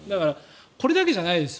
これだけじゃないです。